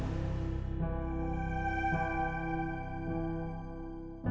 jadi aku bisa cari tau